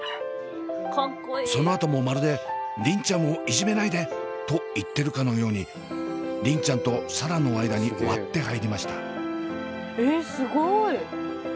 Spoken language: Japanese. そのあともまるで「梨鈴ちゃんをいじめないで！」と言っているかのように梨鈴ちゃんと紗蘭の間に割って入りました。